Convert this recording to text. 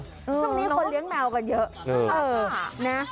ตรงนี้คนเลี้ยงแมวกันเยอะ